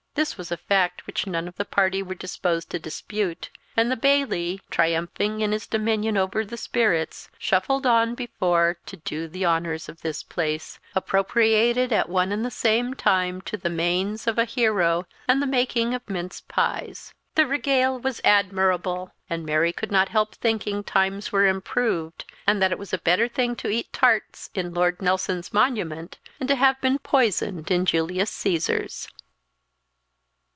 This was a fact which none of the party were disposed to dispute; and the Bailie, triumphing in his dominion over the spirits, shuffled on before to do the honours of this place, appropriated at one and the same time to the manes of a hero and the making of minced pies. The regale was admirable, and Mary could not help thinking times were improved, and that it was a better thing to eat tarts in Lord Nelson's Monument than to have been poisoned in Julius Caesar's.